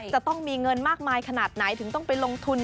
จะต้องมีเงินมากมายขนาดไหนถึงต้องไปลงทุน